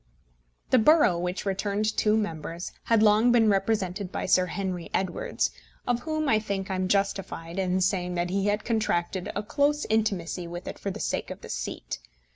The borough, which returned two members, had long been represented by Sir Henry Edwards, of whom, I think, I am justified in saying that he had contracted a close intimacy with it for the sake of the seat.